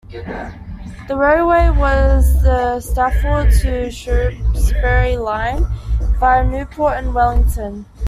The railway was the Stafford to Shrewsbury Line, via Newport and Wellington.